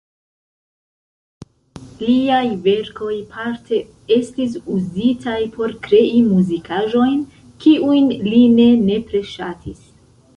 Liaj verkoj parte estis uzitaj por krei muzikaĵojn, kiujn li ne nepre ŝatis.